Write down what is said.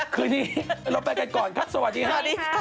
คืนนี้เราไปกันก่อนครับสวัสดีค่ะ